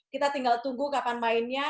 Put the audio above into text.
kita tinggal tunggu kapan mainnya